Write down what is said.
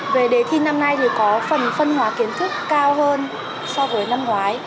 về đề thi năm nay thì có phần phân hóa kiến thức cao hơn so với năm ngoái